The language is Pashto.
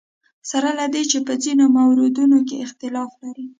سره له دې چې په ځینو موردونو اختلاف لري.